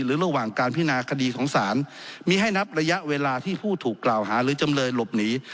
ระหว่างการพินาคดีของศาลมีให้นับระยะเวลาที่ผู้ถูกกล่าวหาหรือจำเลยหลบหนี